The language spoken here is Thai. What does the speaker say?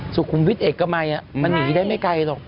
สุขุมวิทย์เอกมัยมันหนีได้ไม่ไกลหรอก